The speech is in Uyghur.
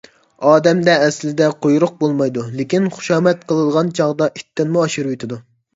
ئادەمدە ئەسلىدە قۇيرۇق بولمايدۇ، لېكىن خۇشامەت قىلغان چاغدا ئىتتىنمۇ ئاشۇرۇۋېتىدۇ.